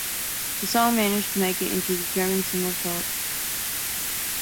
The song managed to make it into the German single charts.